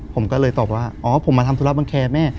ผมก็เลยตอบว่าอ๋อผมมาทำธุระบังแคร์แม่